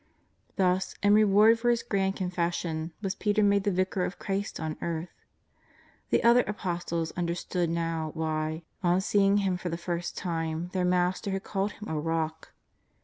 Thus, in reward for his grand confession, was Peter made the Vicar of Christ on earth. The other Apos tles understood now why, on seeing him for the £rst time, their Master had called him a rock.